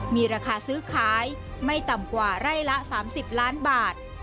มีราคาซื้อขายไม่ต่ำกว่าไร่ละ๓๐ล้านบาท